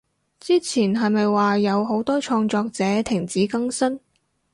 之前係咪話有好多創作者停止更新？